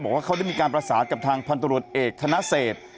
ว่าเขาได้มีการประสานกับทางพันธุรกิจเอกธนเศษ